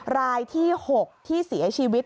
รายที่๖ที่เสียชีวิต